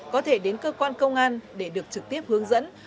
có thể đến cơ quan công an để được trực tiếp hướng dẫn